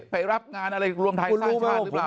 ไปรับงานอะไรรวมไทยสร้างชาติหรือเปล่า